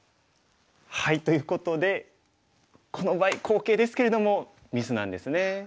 ということでこの場合好形ですけれどもミスなんですね。